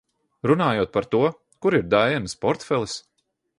Runājot par to, kur ir Daienas portfelis?